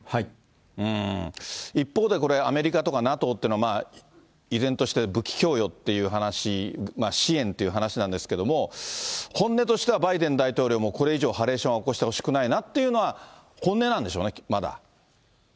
一方でこれ、アメリカとかＮＡＴＯっていうのは、依然として武器供与っていう話、支援って話なんですけれども、本音としては、バイデン大統領もこれ以上ハレーションは起こしてほしくないなっていうのは、本音なんでしょうね、まだ。